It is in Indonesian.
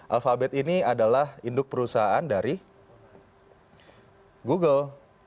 alfabet ini adalah induk perusahaan dari google